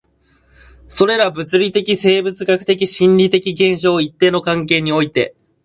それら物理的、生物学的、心理的現象を一定の関係において